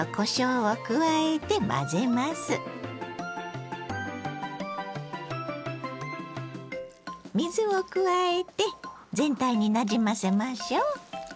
水を加えて全体になじませましょう。